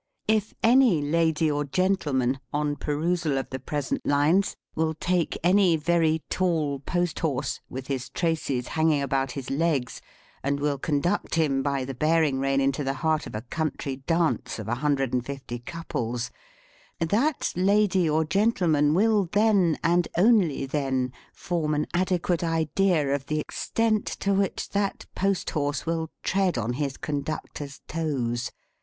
If any lady or gentleman, on perusal of the present lines, will take any very tall post horse with his traces hanging about his legs, and will conduct him by the bearing rein into the heart of a country dance of a hundred and fifty couples, that lady or gentleman will then, and only then, form an adequate idea of the extent to which that post horse will tread on his conductor's toes.